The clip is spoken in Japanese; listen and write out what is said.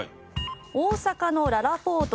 大阪のららぽーと